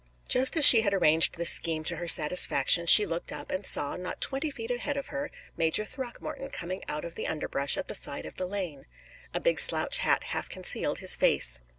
Just as she had arranged this scheme to her satisfaction, she looked up, and saw, not twenty feet ahead of her, Major Throckmorton coming out of the underbrush at the side of the lane. A big slouch hat half concealed his face.